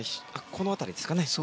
この辺りですかね。